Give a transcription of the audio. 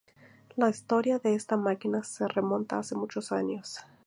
La historia de esta máquina se remonta hace muchos años.